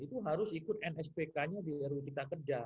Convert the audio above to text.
itu harus ikut nspk nya di ru cipta kerja